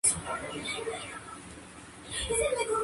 Durante todo el año.